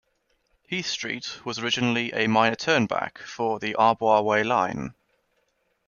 Heath Street was originally a minor turnback for the Arborway Line.